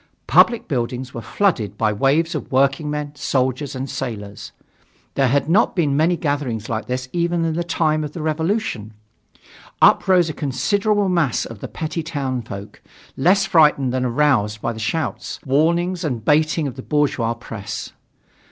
Public buildings were flooded by waves of working men, soldiers and sailors. There had not been many gatherings like that even in the time of the Revolution. Up rose a considerable mass of the petty townfolk, less frightened than aroused by the shouts, warnings and baiting of the bourgeois press.